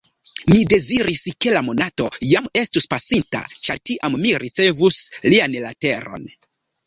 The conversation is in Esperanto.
Mi deziris, ke la monato jam estus pasinta, ĉar tiam mi ricevus lian leteron.